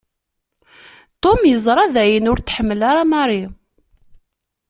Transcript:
Tom yeẓra dayen ur t-tḥemmel ara Marie.